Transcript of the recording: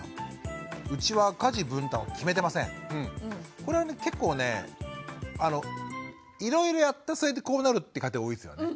これは結構ねいろいろやってそれでこうなるって家庭多いですよね。